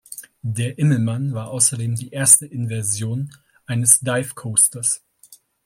Der Immelmann war außerdem die erste Inversion eines Dive Coasters.